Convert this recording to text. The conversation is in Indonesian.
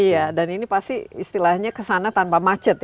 iya dan ini pasti istilahnya kesana tanpa macet ya